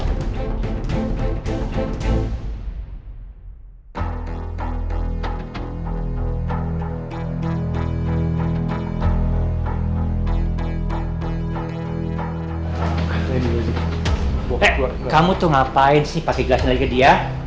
eh kamu tuh ngapain sih pake gasnya lagi ke dia